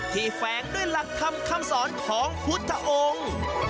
แฝงด้วยหลักธรรมคำสอนของพุทธองค์